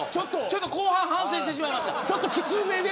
後半反省してしまいました。